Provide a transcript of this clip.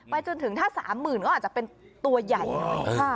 จนถึงถ้า๓๐๐๐ก็อาจจะเป็นตัวใหญ่หน่อย